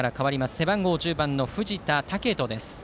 背番号１０番の藤田健人です。